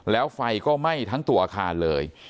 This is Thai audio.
แล้วไฟก็ไหม้ทั้งตัวอาคารเลย